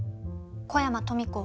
小山富子。